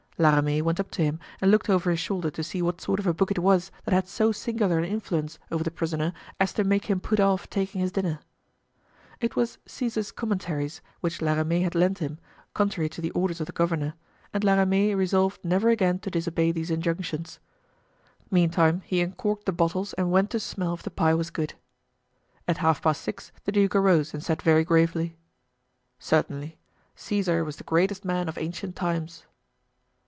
La Ramee went up to him and looked over his shoulder to see what sort of a book it was that had so singular an influence over the prisoner as to make him put off taking his dinner. It was "Caesar's Commentaries," which La Ramee had lent him, contrary to the orders of the governor; and La Ramee resolved never again to disobey these injunctions. Meantime he uncorked the bottles and went to smell if the pie was good. At half past six the duke arose and said very gravely: "Certainly, Caesar was the greatest man of ancient times."